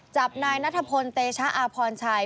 จับนายนัทพลเตชะอาพรชัย